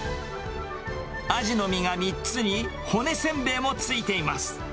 アジの身が３つに、骨せんべいもついています。